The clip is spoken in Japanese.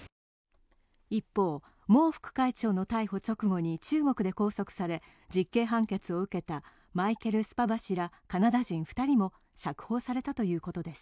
一方、孟副会長の逮捕直後に中国で拘束され実刑判決を受けたマイケル・スパバ氏らカナダ人２人も釈放されたということです。